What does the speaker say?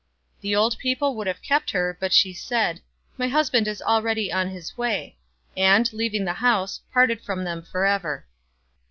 The old people would have kept her, but she said, " My husband is already on his way," and, leaving the house, parted from them for ever.